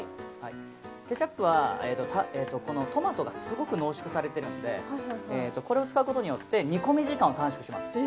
ケチャップはトマトがすごく濃縮されているのでこれを使うことによって煮込み時間を短縮します。